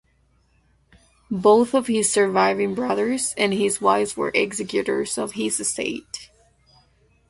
Both of his surviving brothers and his wife were executors of his estate.